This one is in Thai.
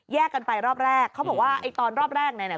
กันไปรอบแรกเขาบอกว่าไอ้ตอนรอบแรกเนี่ย